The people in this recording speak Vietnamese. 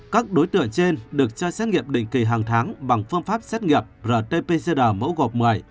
các đối tượng trên được cho xét nghiệm định kỳ hàng tháng bằng phương pháp xét nghiệm rt pcr mẫu gọp một mươi